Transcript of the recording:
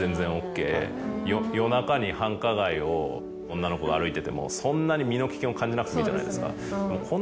女の子が歩いててもそんなに身の危険を感じなくてもいいじゃないですか。